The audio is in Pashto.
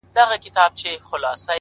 د مرور روح د پخلا وجود کانې دي ته.